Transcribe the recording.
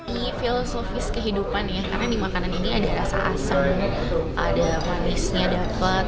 ini filosofis kehidupan ya karena di makanan ini ada rasa asam ada manisnya dapat